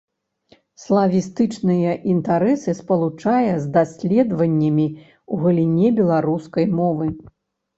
Славістычныя інтарэсы спалучае з даследаваннямі ў галіне беларускай мовы.